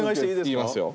言いますよ。